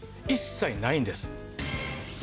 一切ないんです。